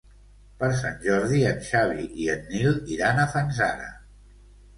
Per Sant Jordi en Xavi i en Nil iran a Fanzara.